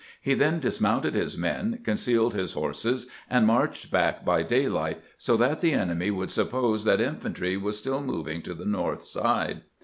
He then dismounted his men, concealed his horses, and marched back by daylight, so that the enemy would sup pose that infantry was still moving to the north side.